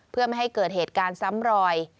เพื่อไม่ให้เกิดเหตุการณ์ซ้ำรอย